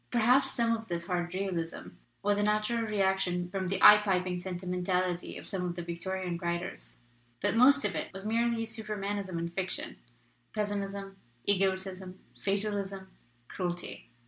Perhaps some of this hard realism was a natural reaction from the eye piping sentimentality of some of the 296 HERESY OF SUPERMANISM Victorian writers. But most of it was merely Supermanism in fiction pessimism, egotism, fatal ism, cruelty.